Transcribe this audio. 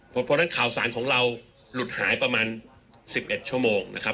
เพราะฉะนั้นข่าวสารของเราหลุดหายประมาณ๑๑ชั่วโมงนะครับ